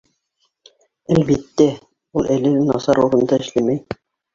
Әлбиттә, ул әле лә насар урында эшләмәй.